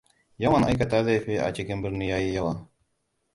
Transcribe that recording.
Yawan aikata laifi a cikin birni ya yi yawa.